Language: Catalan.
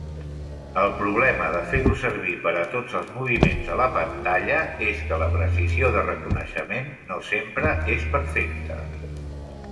El problema de fer-ho servir per a tots els moviments a la pantalla és que la precisió de reconeixement no sempre és perfecta.